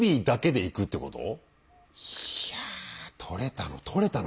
いや撮れたの？